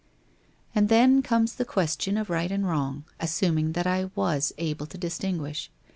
And then comes the question of right and wrong, as suming that I was able to distinguish.